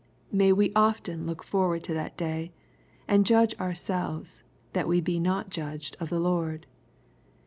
May we often look forward to that day, and judge ourselves, that we be not judged of the Lord.